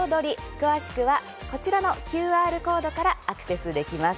詳しくはこちらのＱＲコードからアクセスできます。